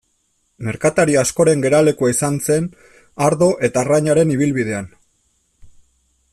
Merkatari askoren geralekua izan zen ardo eta arrainaren ibilbidean.